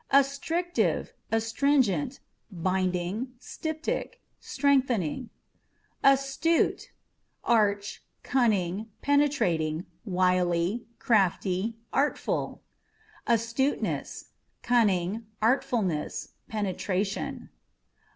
Astrictive, Astringentâ€" binding, styptic ; strengthening. Astute â€" arch, cunning, penetrating, wily, crafty, artful. Astutenessâ€" cunning, artfulness, penetration.